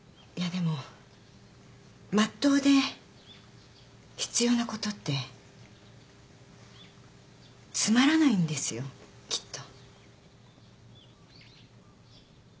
でもまっとうで必要なことってつまらないんですよきっと。